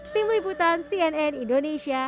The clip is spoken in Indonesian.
tim liputan cnn indonesia